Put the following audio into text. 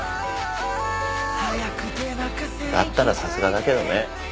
だったらさすがだけどね。